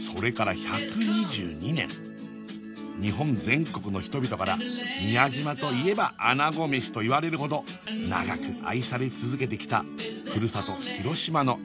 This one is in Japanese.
１２２年日本全国の人々から「宮島といえばあなごめし」と言われるほど長く愛され続けてきた故郷広島の味